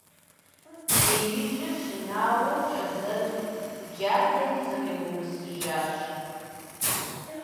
Беижьыр шынауэ кӀэзызу, джалэри зыкъиумысыжащ.